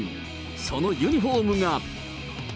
そのユニホームが。